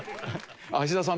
芦田さん